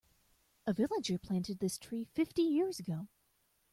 A villager planted this tree fifty years ago.